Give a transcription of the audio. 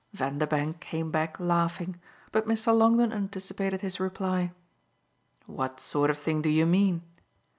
Vanderbank came back laughing, but Mr. Longdon anticipated his reply. "What sort of thing do you mean?"